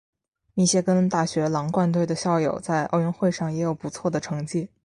密歇根大学狼獾队的校友在奥运会上也有不错的成绩。